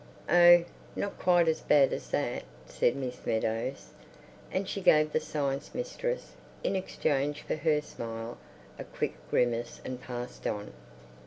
"Oh, not quite as bad as that," said Miss Meadows, and she gave the Science Mistress, in exchange for her smile, a quick grimace and passed on....